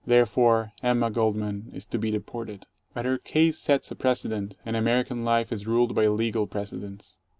Therefore Emma Goldman is to be deported. But her case sets a precedent, and American life is ruled by legal precedents.